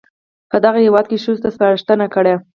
په دغه هېواد کې ښځو ته سپارښتنه کړې